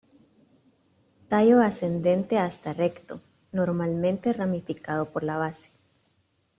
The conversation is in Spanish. Tallo ascendente hasta recto, normalmente ramificado por la base.